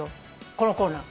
このコーナー。